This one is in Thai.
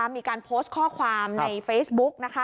มีการโพสต์ข้อความในเฟซบุ๊ก